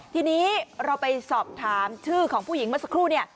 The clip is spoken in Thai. ทีนี้เราไปสอบถามชื่อของผู้หญิงเมื่อสักครู่เนี่ย